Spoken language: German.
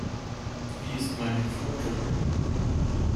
Wie ist meine Quote?